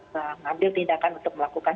mengambil tindakan untuk melakukan